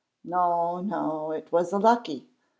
No, no, it was a lucky.